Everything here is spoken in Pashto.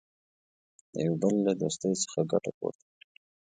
د یوه بل له دوستۍ څخه ګټه پورته کړي.